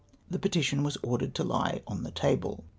" The petition was ordered to lie on the table.